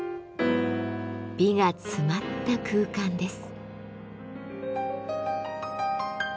美が詰まった空間です。